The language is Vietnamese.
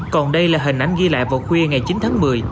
còn đây là hình ảnh ghi lại vào khuya ngày chín tháng một mươi